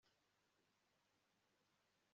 ninde wakubwiye